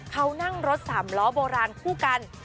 เขานั่งรถสามล้อโบราณคู่กัน